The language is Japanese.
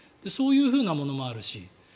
そういうふうなものもあるし。